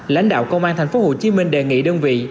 lãnh đạo công an tp hcm đề nghị đơn vị